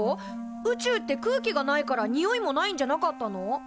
宇宙って空気がないからにおいもないんじゃなかったの？